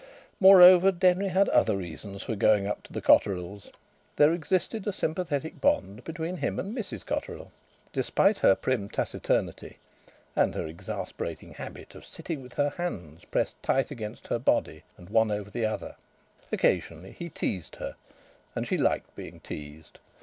Moreover, Denry had other reasons for going up to the Cotterills. There existed a sympathetic bond between him and Mrs Cotterill, despite her prim taciturnity and her exasperating habit of sitting with her hands pressed tight against her body and one over the other. Occasionally he teased her and she liked being teased.